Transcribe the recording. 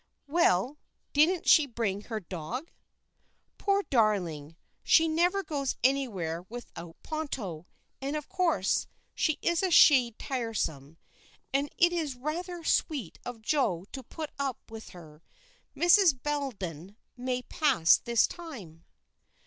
"Well, didn't she bring her dog?" "Poor darling; she never goes anywhere without Ponto: and, of course, she is a shade tiresome, and it is rather sweet of Joe to put up with her. Mrs. Bellenden may pass this time."